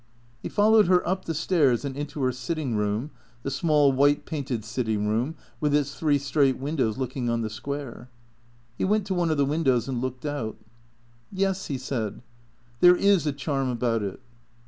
He followed her up the stairs and into her sitting room, the small white painted sitting room, with its three straight windows looking on the Square. He went to one of the windows and looked out. " Yes," he said, " there is a charm about it."